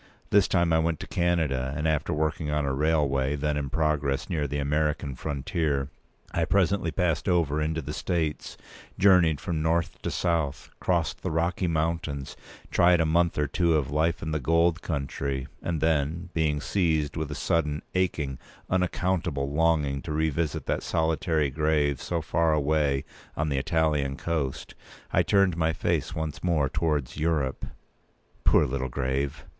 This time I went to Canada, and after working on a railway then in progress near the American frontier, I presently passed over into the States; journeyed from north to south; crossed the Rocky Mountains; tried a month or two of life in the gold country; and then, being seized with a sudden, aching, unaccountable longing to revisit that solitary grave so far away on the Italian coast, I turned my face once more towards Europe. Poor little grave!